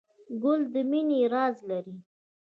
ګل د مینې راز لري.